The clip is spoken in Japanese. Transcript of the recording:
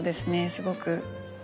すごく。